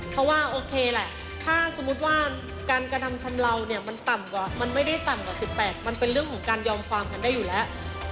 เพราะว่าโอเคแหละถ้าสมมุติว่าการกระทำชำเลาเนี่ยมันต่ำกว่ามันไม่ได้ต่ำกว่า๑๘มันเป็นเรื่องของการยอมความกันได้อยู่แล้ว